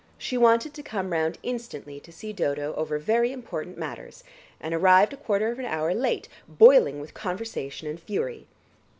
She wanted to come round instantly to see Dodo over very important matters, and arrived a quarter of an hour late boiling with conversation and fury.